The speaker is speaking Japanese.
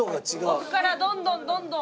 奥からどんどんどんどん。